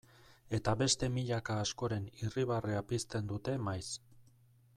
Eta beste milaka askoren irribarrea pizten dute maiz.